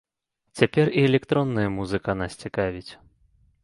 Цяпер і электронная музыка нас цікавіць.